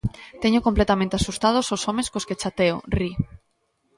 Teño completamente asustados os homes cos que chateo, ri.